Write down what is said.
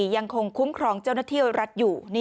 ยังคงคุ้มครองเจ้าหน้าที่รัฐอยู่